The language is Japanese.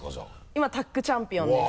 今タッグチャンピオンです